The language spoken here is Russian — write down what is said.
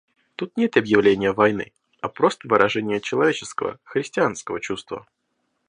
Тут нет объявления войны, а просто выражение человеческого, христианского чувства.